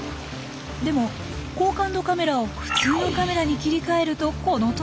でも高感度カメラを普通のカメラに切り替えるとこのとおり。